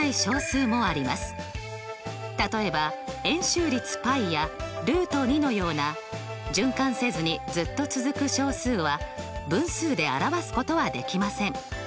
例えば円周率πやのような循環せずにずっと続く小数は分数で表すことはできません。